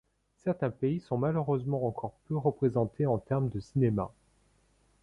Certains pays sont malheureusement encore peu représentés en termes de cinéma.